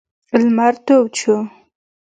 لمر تود شو.